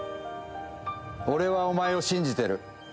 俺はお前を信じてる。